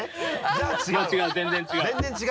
違う全然違う。